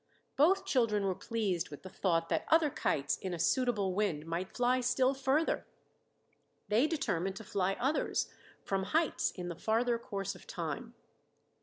Both children were pleased with the thought that other kites in a suitable wind might fly still further. They determined to fly others from heights in the farther course of time.